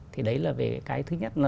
thì đấy là về cái thứ nhất